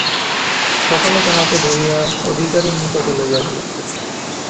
সকলে তাহাকে ধরিয়া অধিকারীর নিকটে লইয়া গেল।